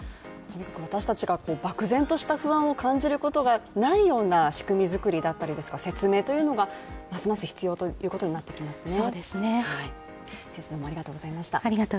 私たちが漠然とした不安を感じることがないような仕組み作りだったりですとか説明というのがますます必要ということになってきますね。